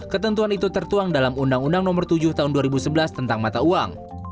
ketentuan itu tertuang dalam undang undang nomor tujuh tahun dua ribu sebelas tentang mata uang